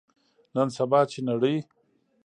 نن سبا، چې نړۍ